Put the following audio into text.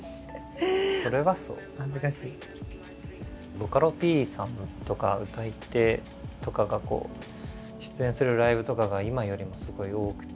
ボカロＰさんとか歌い手とかが出演するライブとかが今よりもすごい多くて。